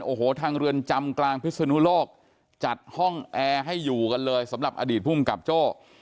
โอ้โหทางเรือนจำกลางพิศนุโลกจัดห้องแอร์ให้อยู่กันเลยสำหรับอดีตภูมิกับโจ้